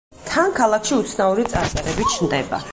თან ქალაქში უცნაური წარწერები ჩნდება.